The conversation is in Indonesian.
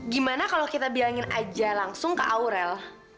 gimana kalau kita bilangin aja langsung ke aurel